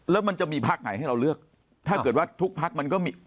แล้วมันจะมีพักไหนให้เราเลือกถ้าเกิดว่าทุกพักมันก็มี